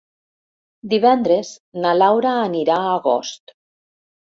Divendres na Laura anirà a Agost.